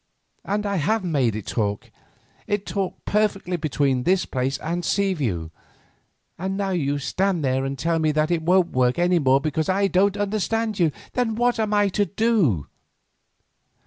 And I have made it talk. It talked perfectly between this place and Seaview, and now you stand there and tell me that it won't work any more because I don't understand you. Then what am I to do?"